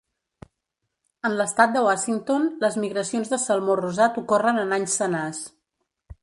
En l'estat de Washington, les migracions de salmó rosat ocorren en anys senars.